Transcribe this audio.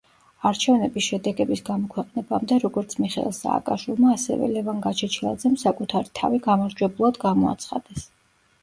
არჩევნების შედეგების გამოქვეყნებამდე როგორც მიხეილ სააკაშვილმა, ასევე ლევან გაჩეჩილაძემ საკუთარი თავი გამარჯვებულად გამოაცხადეს.